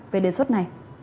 về đề xuất này